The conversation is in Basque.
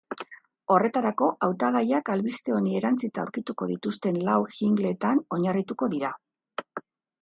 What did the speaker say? Horretarako, hautagaiak albiste honi erantsita aurkituko dituzten lau jingle-etan oinarrituko dira.